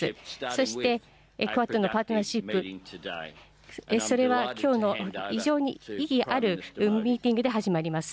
そしてクアッドのパートナーシップ、それはきょうの、非常に意義あるミーティングで始まります。